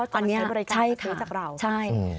ตอนนี้ใช่ค่ะใช่ค่ะ